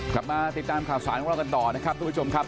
กลับมาติดตามข่าวสารของเรากันต่อนะครับทุกผู้ชมครับ